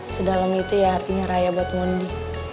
sedalam itu ya artinya raya buat mundi